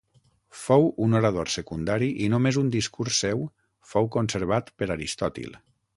Fou un orador secundari i només un discurs seu fou conservat per Aristòtil.